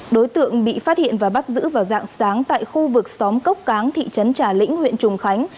đối tượng bị phát hiện và bắt giữ vào dạng sáng tại khu vực xóm cốc cáng thị trấn trà lĩnh huyện trùng khánh